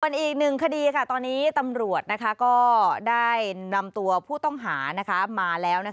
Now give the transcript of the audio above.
ส่วนอีกหนึ่งคดีตอนนี้ตำรวจก็ได้นำตัวผู้ต้องหามาแล้ว